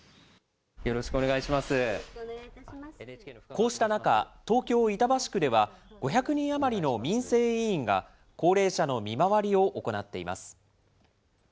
こうした中、東京・板橋区では５００人余りの民生委員が、高齢者の見回りを行っています。